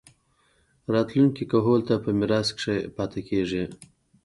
راتلونکي کهول ته پۀ ميراث کښې پاتې کيږي